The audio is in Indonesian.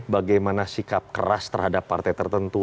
bagaimana sikap keras terhadap partai tertentu